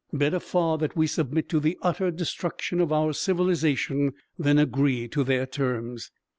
Better far that we submit to the utter destruction of our civilization than agree to their terms."